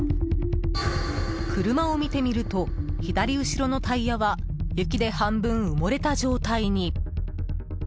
車を見てみると左後ろのタイヤは雪で半分埋もれた状態に。